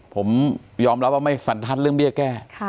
ผมยอมรับว่าไม่สันทัศน์เรื่องเบี้ยแก้